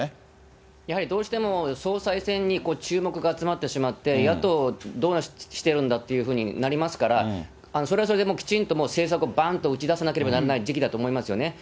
やはりどうしても総裁選に注目が集まってしまって、野党どうしてるんだというふうになりますから、それはそれできちんと政策をばんと打ち出さなければならない時期だと思いますよね。